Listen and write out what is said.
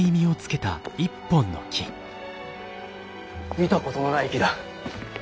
見たことのない木だ。